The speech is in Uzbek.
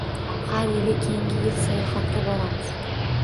- Har yili keyingi yil sayohatga boramiz!